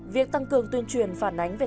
biết cái bản án thôi